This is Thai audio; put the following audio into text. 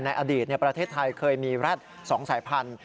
ในอดีตประเทศไทยเคยมีแร็ด๒สายพันธุ